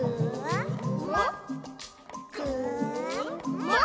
「もっ？